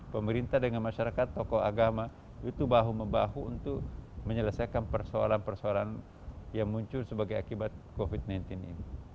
pemerintah dengan masyarakat tokoh agama itu bahu membahu untuk menyelesaikan persoalan persoalan yang muncul sebagai akibat covid sembilan belas ini